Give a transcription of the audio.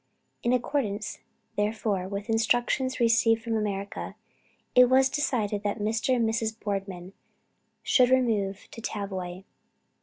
In accordance, therefore, with instructions received from America, it was decided that Mr. and Mrs. Boardman should remove to Tavoy.